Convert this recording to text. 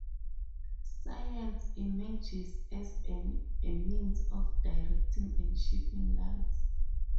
Science emerges as a means of directing and shaping lives.